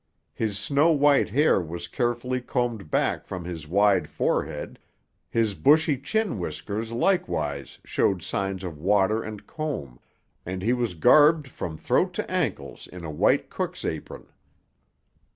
His snow white hair was carefully combed back from his wide forehead, his bushy chin whiskers likewise showed signs of water and comb, and he was garbed from throat to ankles in a white cook's apron.